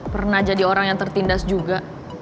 pernah jadi orang yang tertindas juga